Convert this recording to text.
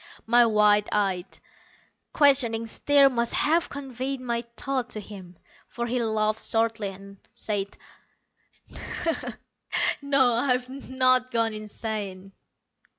My wide eyed, questioning stare must have conveyed my thought to him, for he laughed shortly, and said, "No, I've not gone insane."